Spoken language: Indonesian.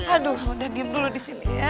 aduh udah diem dulu disini ya